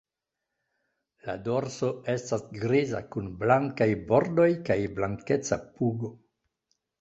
La dorso estas griza kun blankaj bordoj kaj blankeca pugo.